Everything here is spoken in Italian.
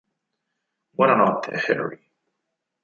Buona notte Harry".